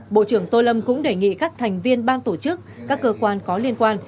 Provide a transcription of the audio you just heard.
bộ trưởng tô lâm cũng đề nghị các thành viên ban tổ chức các cơ quan có liên quan